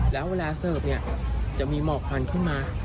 แล้วเวลาเสิร์ฟเนี่ยจะมีหมอกควันขึ้นมา